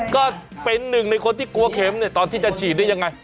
ก็เป็นหนึ่งในคนที่กลัวเข็มเนี่ยตอนที่จะฉีดได้ยังไง